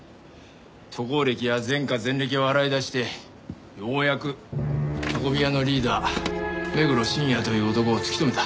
渡航歴や前科前歴を洗い出してようやく運び屋のリーダー目黒真也という男を突き止めた。